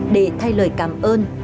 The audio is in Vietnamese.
để thay lời cảm ơn